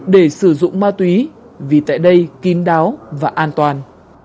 để sử dụng ma túy vì tại đây kín đáo và an toàn